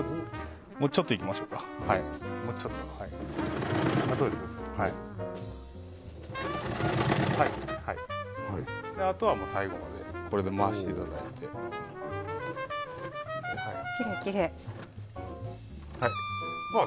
もうちょっといきましょうかもうちょっとそうですそうですはいはいあとはもう最後までこれで回していただいてきれいきれいはいまあ